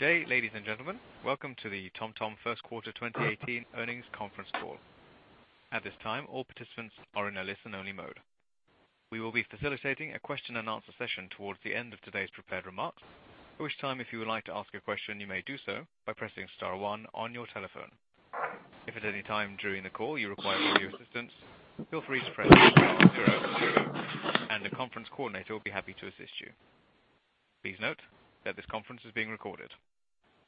Good day, ladies and gentlemen. Welcome to the TomTom first quarter 2018 earnings conference call. At this time, all participants are in a listen-only mode. We will be facilitating a question and answer session towards the end of today's prepared remarks. At which time, if you would like to ask a question, you may do so by pressing star one on your telephone. If at any time during the call you require audio assistance, feel free to press zero, and the conference coordinator will be happy to assist you. Please note that this conference is being recorded.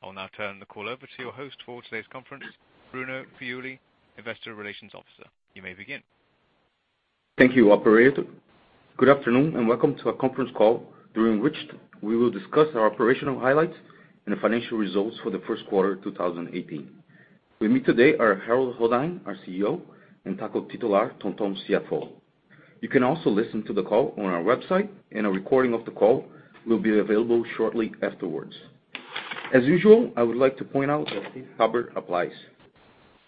I will now turn the call over to your host for today's conference, Bruno Priuli, investor relations officer. You may begin. Thank you, operator. Good afternoon, and welcome to our conference call, during which we will discuss our operational highlights and the financial results for the first quarter 2018. With me today are Harold Goddijn, our CEO, and Taco Titulaer, TomTom CFO. You can also listen to the call on our website, and a recording of the call will be available shortly afterwards. As usual, I would like to point out that safe harbor applies.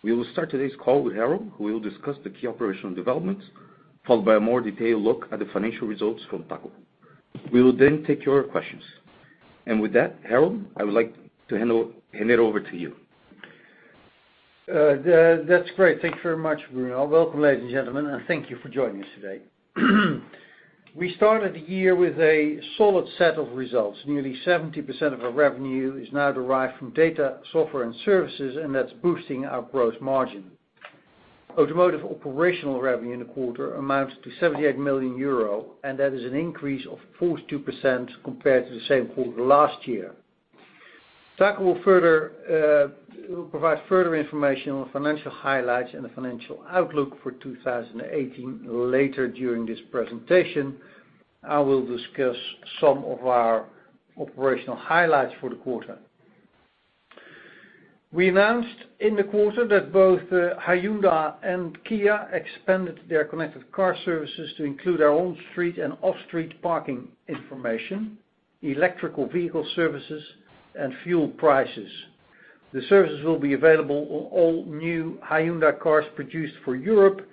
We will start today's call with Harold, who will discuss the key operational developments, followed by a more detailed look at the financial results from Taco. We will then take your questions. With that, Harold, I would like to hand it over to you. That's great. Thank you very much, Bruno. Welcome, ladies and gentlemen, and thank you for joining us today. We started the year with a solid set of results. Nearly 70% of our revenue is now derived from data, software, and services, and that's boosting our gross margin. Automotive operational revenue in the quarter amounts to 78 million euro, and that is an increase of 42% compared to the same quarter last year. Taco will provide further information on the financial highlights and the financial outlook for 2018 later during this presentation. I will discuss some of our operational highlights for the quarter. We announced in the quarter that both Hyundai and Kia expanded their connected car services to include our on-street and off-street parking information, electrical vehicle services, and fuel prices. The services will be available on all new Hyundai cars produced for Europe,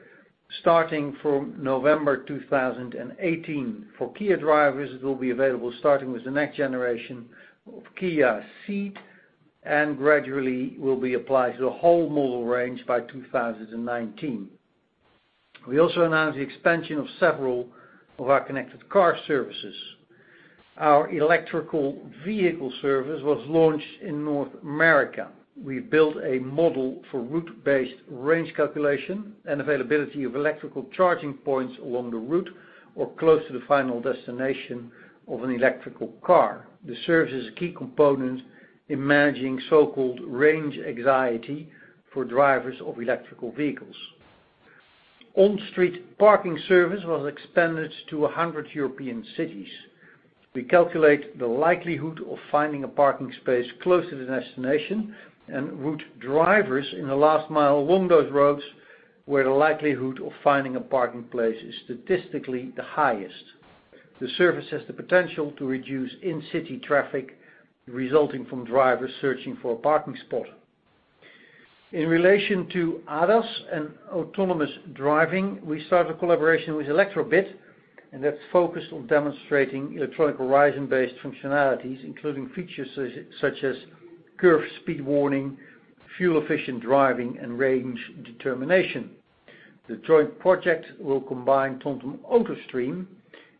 starting from November 2018. For Kia drivers, it will be available starting with the next generation of Kia Ceed, and gradually will be applied to the whole model range by 2019. We also announced the expansion of several of our connected car services. Our electrical vehicle service was launched in North America. We built a model for route-based range calculation and availability of electrical charging points along the route or close to the final destination of an electrical car. This serves as a key component in managing so-called range anxiety for drivers of electrical vehicles. On-street parking service was expanded to 100 European cities. We calculate the likelihood of finding a parking space close to the destination and route drivers in the last mile along those roads, where the likelihood of finding a parking place is statistically the highest. The service has the potential to reduce in-city traffic resulting from drivers searching for a parking spot. In relation to ADAS and autonomous driving, we started a collaboration with Elektrobit, that's focused on demonstrating electronic horizon-based functionalities, including features such as curve speed warning, fuel-efficient driving, and range determination. The joint project will combine TomTom AutoStream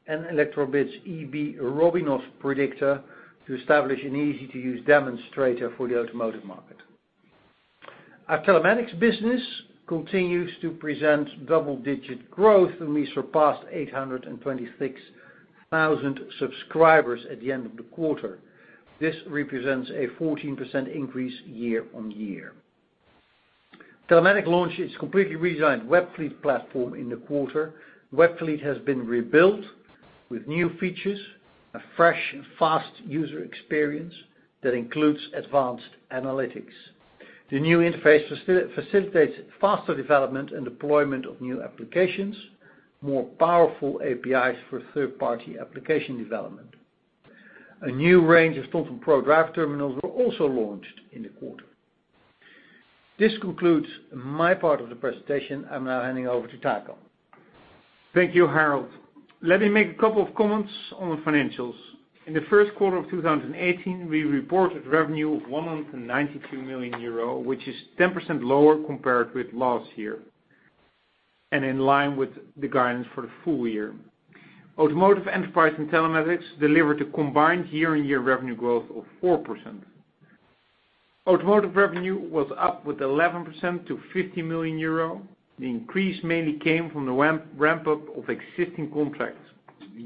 and Elektrobit's EB robinos Predictor to establish an easy-to-use demonstrator for the automotive market. Our telematics business continues to present double-digit growth, and we surpassed 826,000 subscribers at the end of the quarter. This represents a 14% increase year-on-year. Telematics launched its completely redesigned WEBFLEET platform in the quarter. WEBFLEET has been rebuilt with new features, a fresh and fast user experience that includes advanced analytics. The new interface facilitates faster development and deployment of new applications, more powerful APIs for third-party application development. A new range of TomTom PRO driver terminals were also launched in the quarter. This concludes my part of the presentation. I'm now handing over to Taco. Thank you, Harold. Let me make a couple of comments on the financials. In the first quarter of 2018, we reported revenue of €192 million, which is 10% lower compared with last year, and in line with the guidance for the full year. Automotive, enterprise, and telematics delivered a combined year-on-year revenue growth of 4%. Automotive revenue was up with 11% to €50 million. The increase mainly came from the ramp-up of existing contracts.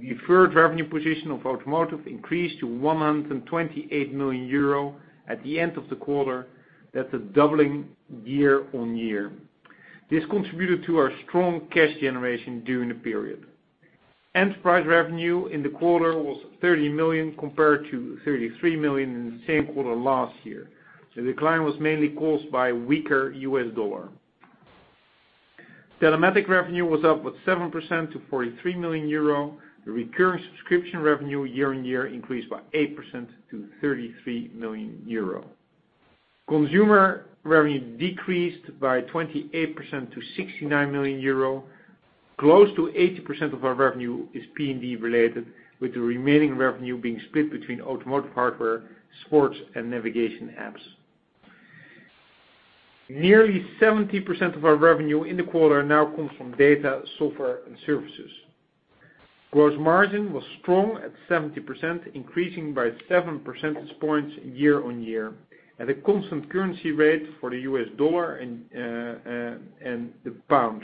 The deferred revenue position of automotive increased to €128 million at the end of the quarter. That's a doubling year-on-year. This contributed to our strong cash generation during the period. Enterprise revenue in the quarter was 30 million compared to 33 million in the same quarter last year. The decline was mainly caused by weaker US dollar. Telematics revenue was up with 7% to €43 million. The recurring subscription revenue year-on-year increased by 8% to €33 million. Consumer revenue decreased by 28% to 69 million euro. Close to 80% of our revenue is PND related, with the remaining revenue being split between automotive hardware, sports, and navigation apps. Nearly 70% of our revenue in the quarter now comes from data, software, and services. Gross margin was strong at 70%, increasing by seven percentage points year-on-year, at a constant currency rate for the US dollar and the pound.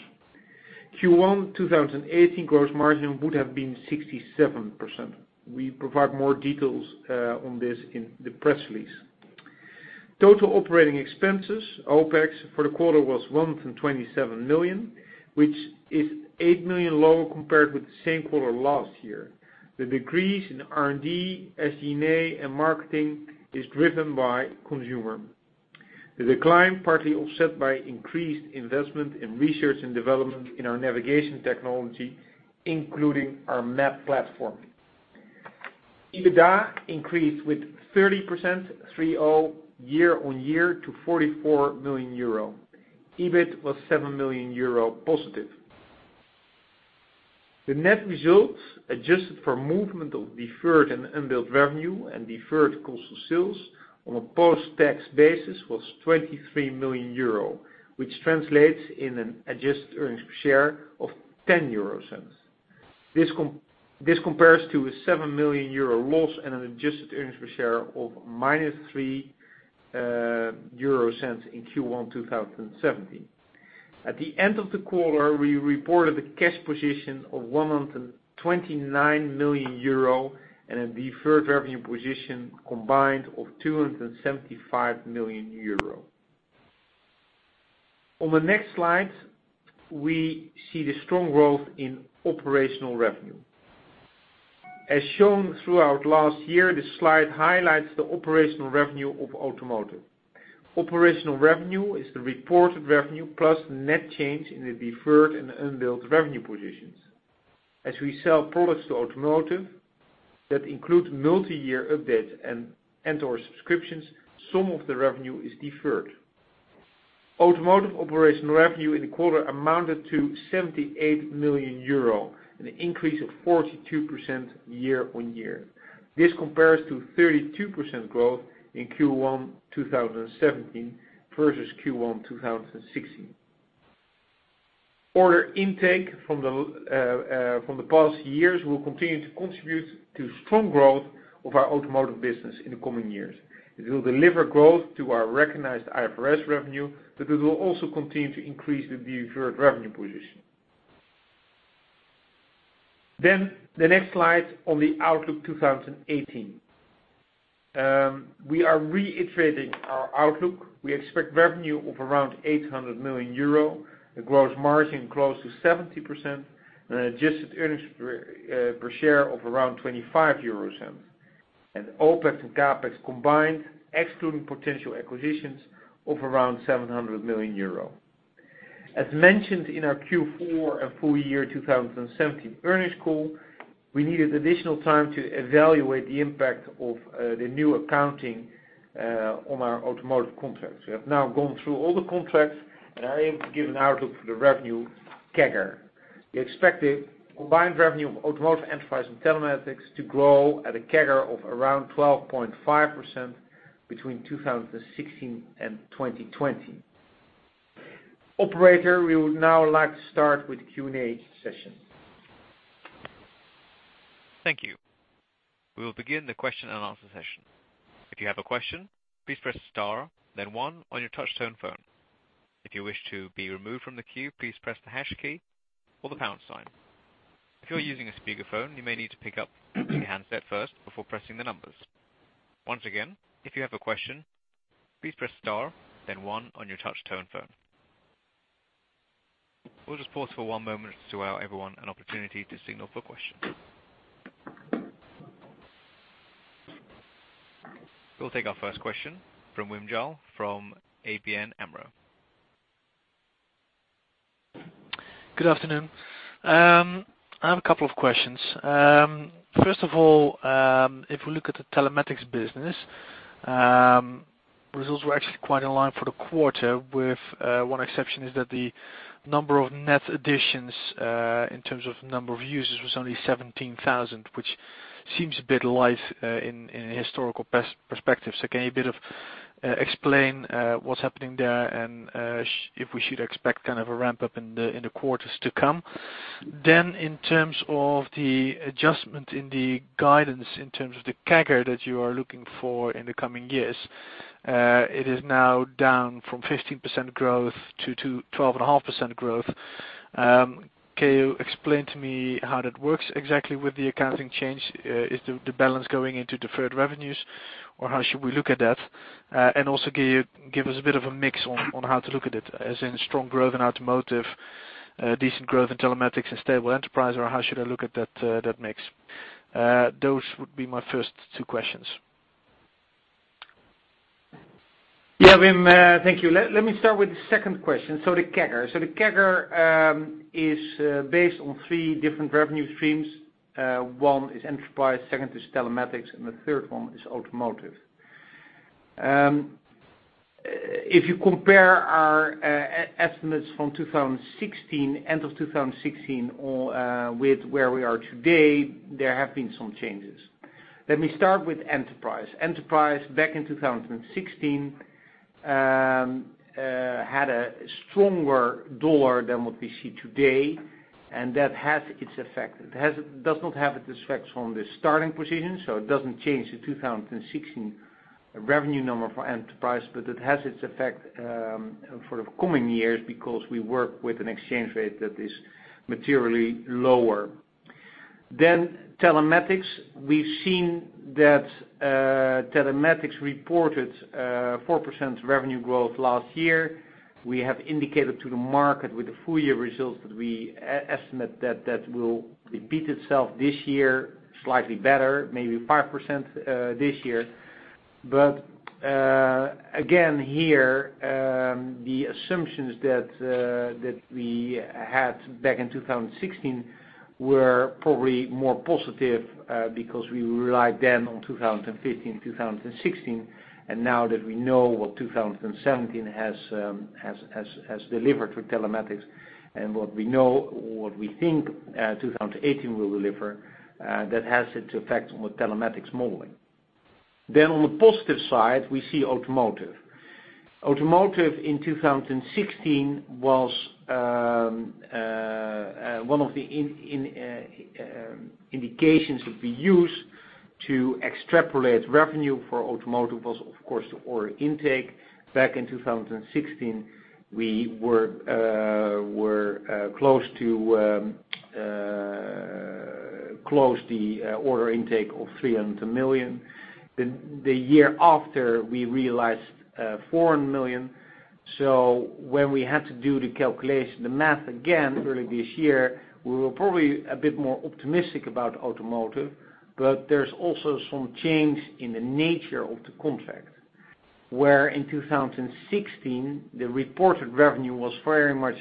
Q1 2018 gross margin would have been 67%. We provide more details on this in the press release. Total operating expenses, OPEX, for the quarter was 127 million, which is eight million lower compared with the same quarter last year. The decrease in R&D, SG&A, and marketing is driven by consumer. The decline partly offset by increased investment in research and development in our navigation technology, including our map platform. EBITDA increased with 30%, 3-0, year-on-year to 44 million euro. EBIT was 7 million euro positive. The net results, adjusted for movement of deferred and unbilled revenue and deferred cost of sales on a post-tax basis was 23 million euro, which translates in an adjusted earnings per share of 0.10. This compares to a 7 million euro loss and an adjusted earnings per share of minus 0.03 in Q1 2017. At the end of the quarter, we reported a cash position of 129 million euro and a deferred revenue position combined of 275 million euro. On the next slide, we see the strong growth in operational revenue. As shown throughout last year, this slide highlights the operational revenue of automotive. Operational revenue is the reported revenue plus net change in the deferred and unbilled revenue positions. As we sell products to automotive that include multiyear updates and/or subscriptions, some of the revenue is deferred. Automotive operational revenue in the quarter amounted to 78 million euro, an increase of 42% year-on-year. This compares to 32% growth in Q1 2017 versus Q1 2016. Order intake from the past years will continue to contribute to strong growth of our automotive business in the coming years. It will deliver growth to our recognized IFRS revenue, but it will also continue to increase the deferred revenue position. The next slide on the outlook 2018. We are reiterating our outlook. We expect revenue of around 800 million euro, a gross margin close to 70%, and adjusted earnings per share of around 0.25 euros. OPEX and CapEx combined, excluding potential acquisitions, of around 700 million euro. As mentioned in our Q4 and full year 2017 earnings call, we needed additional time to evaluate the impact of the new accounting on our automotive contracts. We have now gone through all the contracts and are able to give an outlook for the revenue CAGR. We expect the combined revenue of automotive, enterprise, and telematics to grow at a CAGR of around 12.5% between 2016 and 2020. Operator, we would now like to start with the Q&A session. Thank you. We will begin the question and answer session. If you have a question, please press star then one on your touch tone phone. If you wish to be removed from the queue, please press the hash key or the pound sign. If you are using a speakerphone, you may need to pick up your handset first before pressing the numbers. Once again, if you have a question, please press star then one on your touch tone phone. We'll just pause for one moment just to allow everyone an opportunity to signal for questions. We'll take our first question from Wim Gille from ABN AMRO. Good afternoon. I have a couple of questions. First of all, if we look at the telematics business, results were actually quite in line for the quarter with one exception is that the number of net additions, in terms of number of users, was only 17,000, which seems a bit light in historical perspective. Can you explain what's happening there and if we should expect kind of a ramp-up in the quarters to come? In terms of the adjustment in the guidance in terms of the CAGR that you are looking for in the coming years, it is now down from 15% growth to 12.5% growth. Can you explain to me how that works exactly with the accounting change? Is the balance going into deferred revenues, or how should we look at that? Can you give us a bit of a mix on how to look at it, as in strong growth in automotive, decent growth in telematics, and stable enterprise, or how should I look at that mix? Those would be my first two questions. Yeah, Wim, thank you. Let me start with the second question. The CAGR. The CAGR is based on three different revenue streams. One is enterprise, second is telematics, and the third one is automotive. If you compare our estimates from end of 2016 with where we are today, there have been some changes. Let me start with enterprise. Enterprise, back in 2016, had a stronger draw than what we see today, and that has its effect. It does not have its effects on the starting position, so it doesn't change the 2016 revenue number for enterprise, but it has its effect for the coming years because we work with an exchange rate that is materially lower. Telematics, we've seen that telematics reported 4% revenue growth last year. We have indicated to the market with the full year results that we estimate that that will repeat itself this year, slightly better, maybe 5% this year. Again here, the assumptions that we had back in 2016 were probably more positive because we relied then on 2015, 2016, and now that we know what 2017 has delivered for telematics and what we think 2018 will deliver, that has its effects on what telematics modeling. On the positive side, we see automotive. Automotive in 2016, one of the indications that we use to extrapolate revenue for automotive was, of course, the order intake. Back in 2016, we were close to order intake of 300 million. The year after, we realized 400 million. When we had to do the calculation, the math again, early this year, we were probably a bit more optimistic about automotive. There's also some change in the nature of the contract. Where in 2016, the reported revenue was very much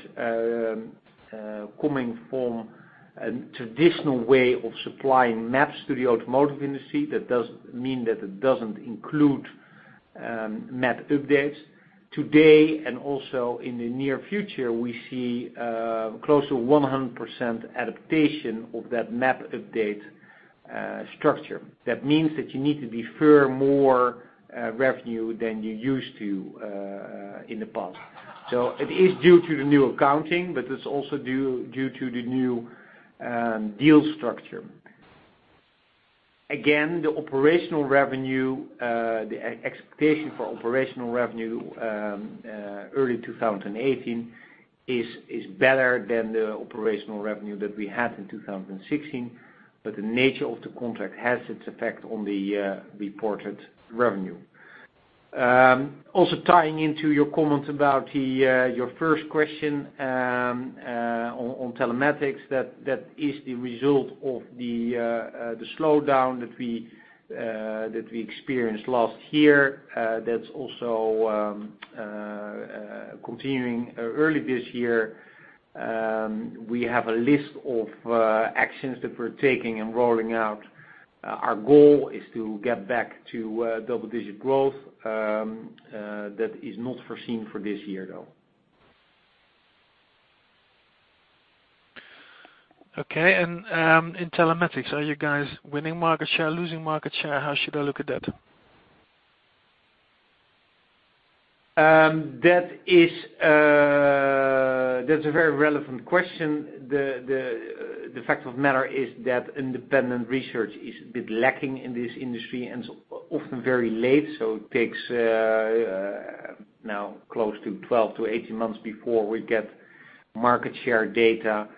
coming from a traditional way of supplying maps to the automotive industry. That does mean that it doesn't include map updates. Today, and also in the near future, we see close to 100% adaptation of that map update structure. That means that you need to be far more revenue than you used to in the past. It is due to the new accounting, it's also due to the new deal structure. Again, the expectation for operational revenue early 2018 is better than the operational revenue that we had in 2016, the nature of the contract has its effect on the reported revenue. Also tying into your comment about your first question on telematics, that is the result of the slowdown that we experienced last year. That's also continuing early this year. We have a list of actions that we're taking and rolling out. Our goal is to get back to double-digit growth. That is not foreseen for this year, though. Okay. In telematics, are you guys winning market share, losing market share? How should I look at that? That's a very relevant question. The fact of the matter is that independent research is a bit lacking in this industry, and it's often very late, it takes now close to 12-18 months before we get market share data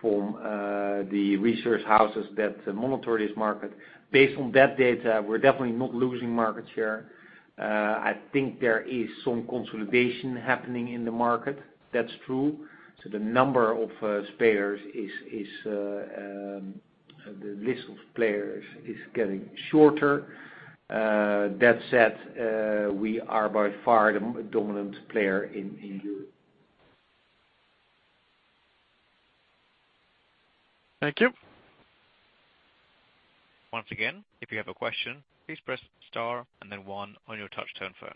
from the research houses that monitor this market. Based on that data, we're definitely not losing market share. I think there is some consolidation happening in the market. That's true. The list of players is getting shorter. That said, we are by far the dominant player in Europe. Thank you. Once again, if you have a question, please press star and then one on your touch-tone phone.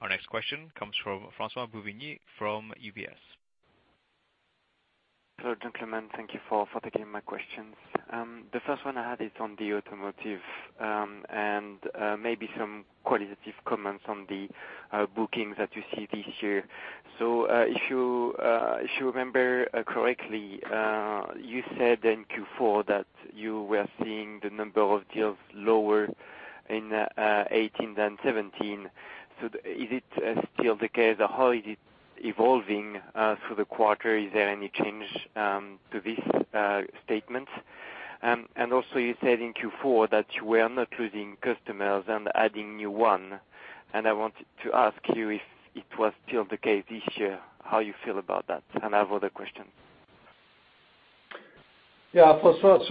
Our next question comes from François Bouvignies from UBS. Hello, gentlemen. Thank you for taking my questions. The first one I had is on the automotive and maybe some qualitative comments on the bookings that you see this year. If you remember correctly, you said in Q4 that you were seeing the number of deals lower in 2018 than 2017. Is it still the case, or how is it evolving through the quarter? Is there any change to this statement? Also, you said in Q4 that you were not losing customers and adding new one. I wanted to ask you if it was still the case this year, how you feel about that? I have other questions. Yeah, François.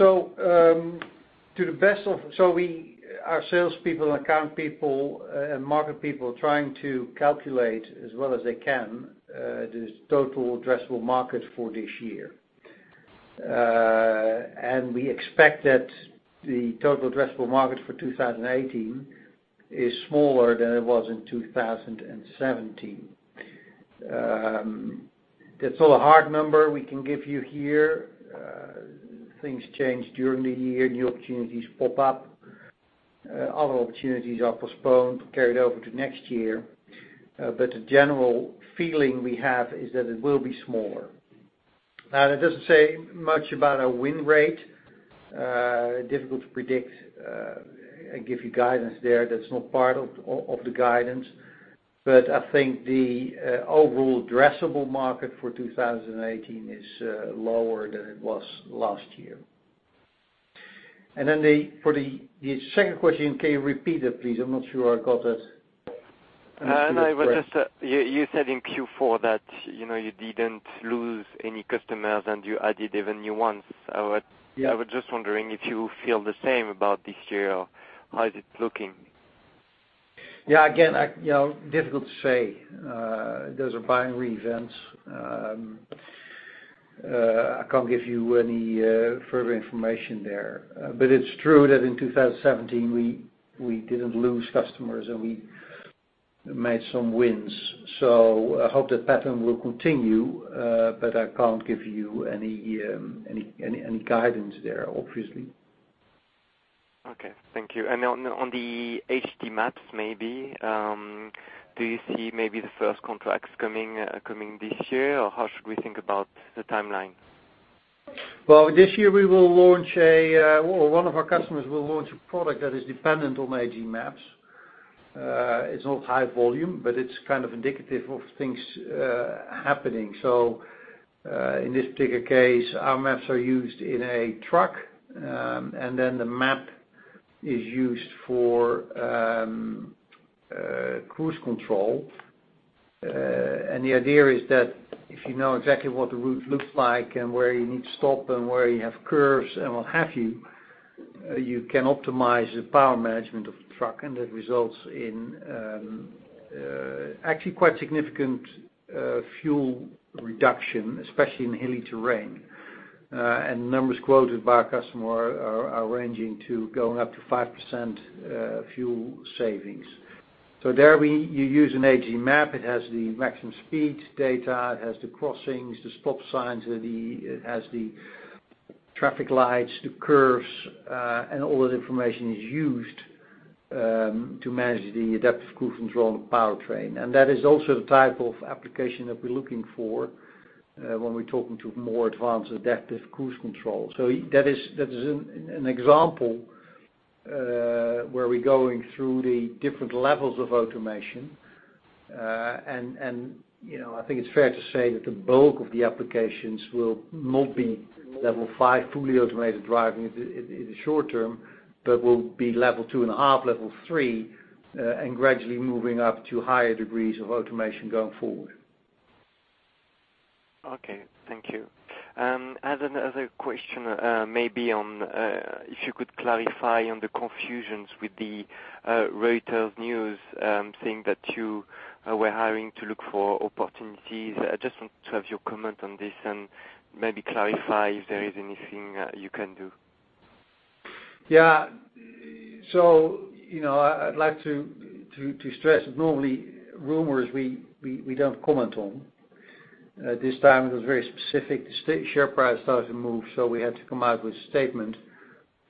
Our salespeople and account people and market people are trying to calculate as well as they can, the total addressable market for this year. We expect that the total addressable market for 2018 is smaller than it was in 2017. That's not a hard number we can give you here. Things change during the year. New opportunities pop up. Other opportunities are postponed, carried over to next year. The general feeling we have is that it will be smaller. Now, that doesn't say much about our win rate. Difficult to predict and give you guidance there. That's not part of the guidance, but I think the overall addressable market for 2018 is lower than it was last year. For the second question, can you repeat it, please? I'm not sure I got it. No, I was just, you said in Q4 that you didn't lose any customers, and you added even new ones. Yeah. I was just wondering if you feel the same about this year. How is it looking? Yeah, again, difficult to say. Those are binary events. I can't give you any further information there. It's true that in 2017, we didn't lose customers, and we made some wins. I hope that pattern will continue, but I can't give you any guidance there, obviously. Okay. Thank you. On the HD maps, maybe. Do you see maybe the first contracts coming this year, or how should we think about the timeline? Well, this year one of our customers will launch a product that is dependent on HD maps. It's not high volume, but it's kind of indicative of things happening. In this particular case, our maps are used in a truck, and then the map is used for cruise control. The idea is that if you know exactly what the route looks like and where you need to stop and where you have curves and what have you can optimize the power management of the truck, and that results in actually quite significant fuel reduction, especially in hilly terrain. The numbers quoted by our customer are ranging to going up to 5% fuel savings. There, you use an HD map. It has the maximum speed data. It has the crossings, the stop signs, it has the traffic lights, the curves, all that information is used to manage the adaptive cruise control and the powertrain. That is also the type of application that we're looking for when we're talking to more advanced adaptive cruise control. That is an example where we're going through the different levels of automation. I think it's fair to say that the bulk of the applications will not be level 5, fully automated driving in the short term, but will be level 2.5, level 3, and gradually moving up to higher degrees of automation going forward. Okay. Thank you. I had another question, maybe, if you could clarify on the confusion with the Reuters news, saying that you were hiring to look for opportunities. I just want to have your comment on this and maybe clarify if there is anything you can do. Yeah. I'd like to stress that normally, rumors, we don't comment on. This time it was very specific. The share price started to move, we had to come out with a statement.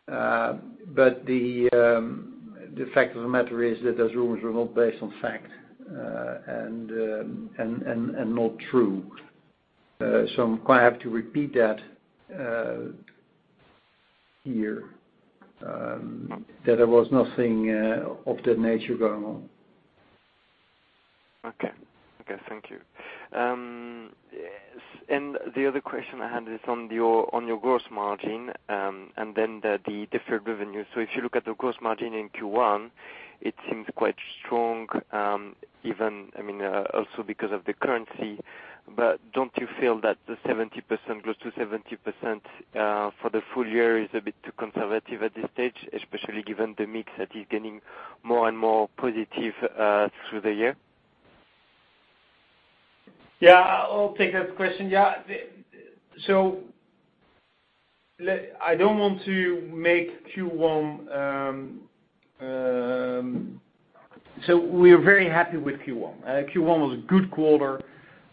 The fact of the matter is that those rumors were not based on fact, and not true. I'm quite happy to repeat that here, that there was nothing of that nature going on. Okay. Thank you. The other question I had is on your gross margin, and the deferred revenue. If you look at the gross margin in Q1, it seems quite strong. Even, also because of the currency, don't you feel that the 70%, close to 70% for the full year is a bit too conservative at this stage, especially given the mix that is getting more and more positive through the year? Yeah, I'll take that question. We are very happy with Q1. Q1 was a good quarter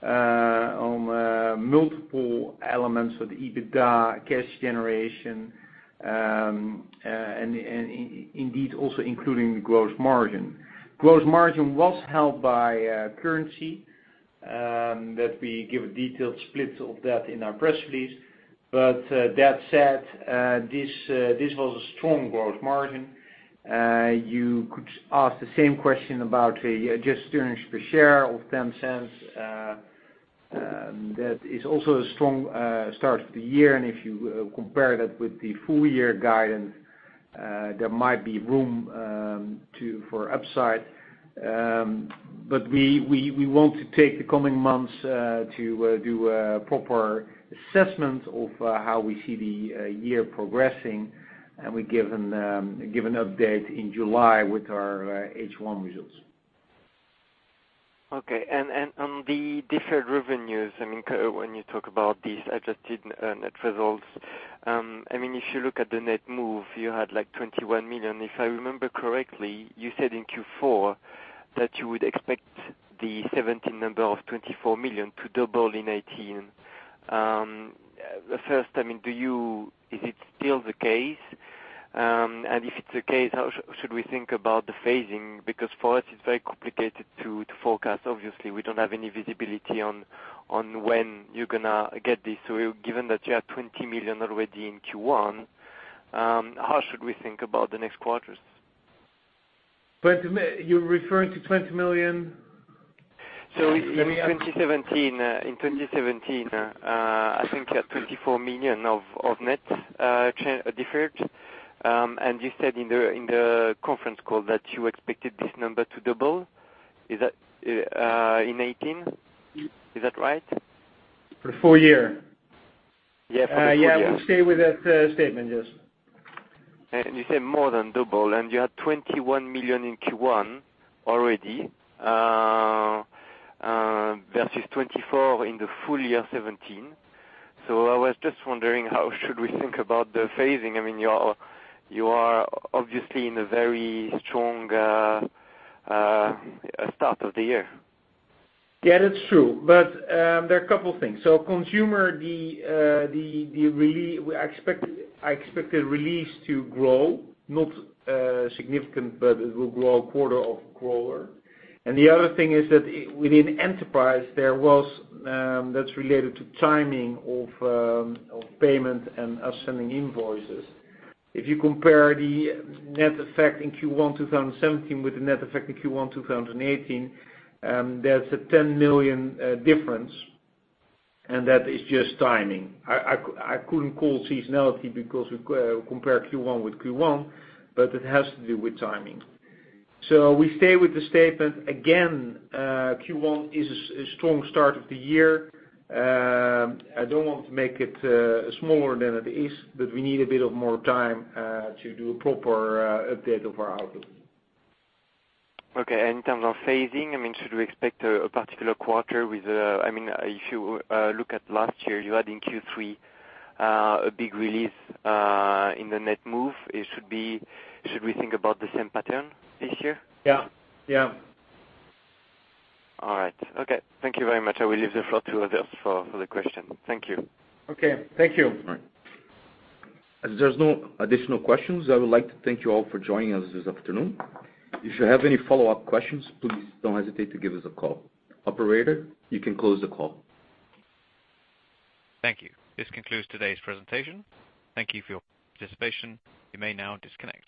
on multiple elements of the EBITDA, cash generation, and indeed also including the gross margin. Gross margin was held by currency, that we give a detailed split of that in our press release. That said, this was a strong gross margin. You could ask the same question about the adjusted earnings per share of 0.10. That is also a strong start for the year, if you compare that with the full year guidance, there might be room We want to take the coming months to do a proper assessment of how we see the year progressing, and we give an update in July with our H1 results. Okay. On the deferred revenues, when you talk about these adjusted net results, if you look at the net move, you had like 21 million. If I remember correctly, you said in Q4 that you would expect the 2017 number of 24 million to double in 2018. First, is it still the case? If it's the case, how should we think about the phasing? Because for us, it's very complicated to forecast. Obviously, we don't have any visibility on when you're going to get this. Given that you have 20 million already in Q1, how should we think about the next quarters? You're referring to 20 million? In 2017, I think you had 24 million of net deferred. You said in the conference call that you expected this number to double in 2018. Is that right? For the full year? For the full year. We'll stay with that statement. Yes. You say more than double, you had 21 million in Q1 already, versus 24 in the full year 2017. I was just wondering, how should we think about the phasing? You are obviously in a very strong start of the year. Yeah, that's true. There are a couple of things. Consumer, I expect the release to grow, not significant, but it will grow quarter-over-quarter. The other thing is that within enterprise, that is related to timing of payment and us sending invoices. If you compare the net effect in Q1 2017 with the net effect in Q1 2018, there is a 10 million difference, and that is just timing. I could not call seasonality because we compare Q1 with Q1, but it has to do with timing. We stay with the statement. Again, Q1 is a strong start of the year. I do not want to make it smaller than it is, but we need a bit of more time to do a proper update of our outlook. Okay. In terms of phasing, should we expect a particular quarter with If you look at last year, you had in Q3 a big release in the net move. Should we think about the same pattern this year? Yeah. All right. Okay. Thank you very much. I will leave the floor to others for other questions. Thank you. Okay. Thank you. All right. As there's no additional questions, I would like to thank you all for joining us this afternoon. If you have any follow-up questions, please don't hesitate to give us a call. Operator, you can close the call. Thank you. This concludes today's presentation. Thank you for your participation. You may now disconnect.